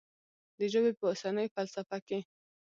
د ژبې په اوسنۍ فلسفه کې.